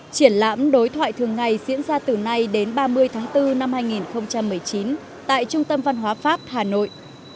triển lãm đối thoại thường ngày diễn ra từ nay đến ba mươi tháng bốn năm hai nghìn một mươi chín tại trung tâm văn hóa pháp hà nội